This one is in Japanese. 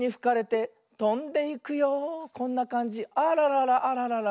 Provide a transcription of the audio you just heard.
あらららあららら